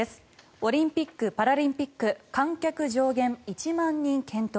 オリンピック・パラリンピック観客上限１万人検討